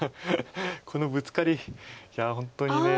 このブツカリいや本当にねえ。